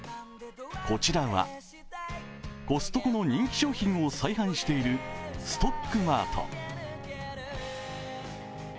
こちらはコストコの人気商品を再販しているストックマート。